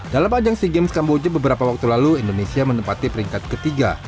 dalam ajang sea games kamboja beberapa waktu lalu indonesia menempati peringkat ketiga